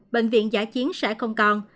bệnh viện giả chiến sẽ không còn